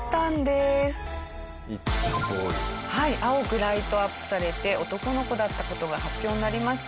青くライトアップされて男の子だった事が発表になりました。